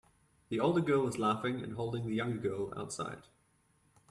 The older girl is laughing and holding the younger girl outside